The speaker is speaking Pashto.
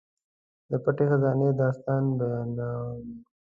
د پټې خزانې داستان بیانوي.